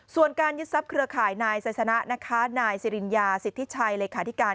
ส่วนการยึดทรัพย์เครือข่ายนายไซสนะนะคะนายสิริญญาสิทธิชัยเลขาธิการ